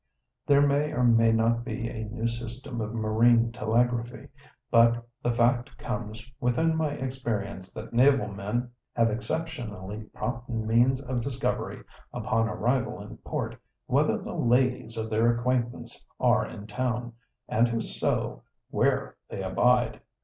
There may or may not be a new system of marine telegraphy, but the fact comes within my experience that naval men have exceptionally prompt means of discovery, upon arrival in port, whether the ladies of their acquaintance are in town, and if so, where they abide.